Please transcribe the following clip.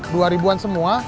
dua ribuan semua